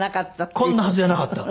こんなはずじゃなかった。